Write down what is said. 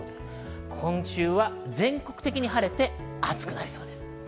今週は全国的に晴れて、暑くなりそうです。